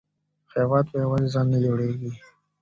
هېواد په یوازې ځان نه جوړیږي.